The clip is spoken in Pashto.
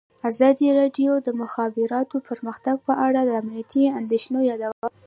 ازادي راډیو د د مخابراتو پرمختګ په اړه د امنیتي اندېښنو یادونه کړې.